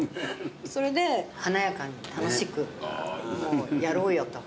それで華やかに楽しくやろうよと。